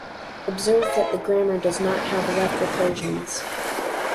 Observe that the grammar does not have left recursions.